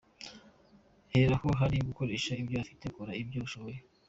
Hera aho uri, Koresha ibyo ufite, Kora ibyo ushoboye.